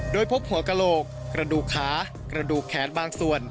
โดยพบหัวกระโหลกกระดูกขากระดูกแขนบางส่วน